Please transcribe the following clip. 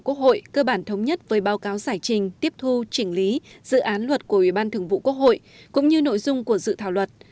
hội đồng nhân dân cấp huyện quốc hội cơ bản thống nhất với báo cáo giải trình tiếp thu chỉnh lý dự án luật của ủy ban thường vụ quốc hội cũng như nội dung của sự thảo luật